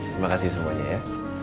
terima kasih semuanya ya